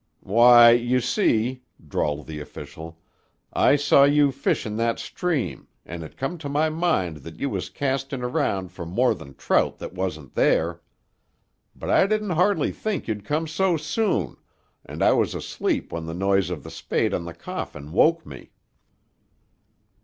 "Why, you see," drawled the official, "I saw you fishin' that stream, and it come to my mind that you was castin' around for more than trout that wasn't there. But I didn't hardly think you'd come so soon, and I was asleep when the noise of the spade on the coffin woke me."